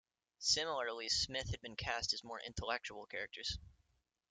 Similarly, Smith had been cast as more intellectual characters.